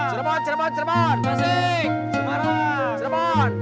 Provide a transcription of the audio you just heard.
semarang semarang semarang